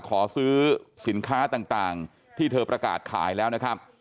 ขอซื้อสินค้าต่างที่เธอประกาศขายแล้วนะครับ